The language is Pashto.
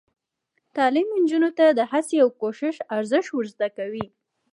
تعلیم نجونو ته د هڅې او کوشش ارزښت ور زده کوي.